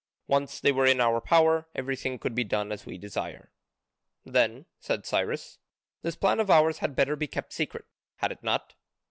Once they were in our power, everything could be done as we desire." "Then," said Cyrus, "this plan of ours had better be kept secret, had it not?"